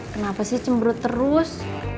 kenapa sih cemberut terus